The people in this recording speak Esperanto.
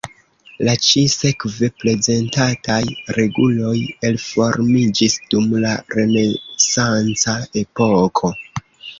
La ĉi-sekve prezentataj reguloj elformiĝis dum la renesanca epoko.